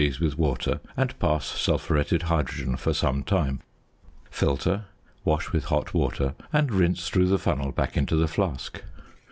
with water, and pass sulphuretted hydrogen for some time. Filter, wash with hot water, and rinse through the funnel back into the flask.